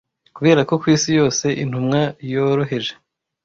kuberako kwisi yose intumwa yoroheje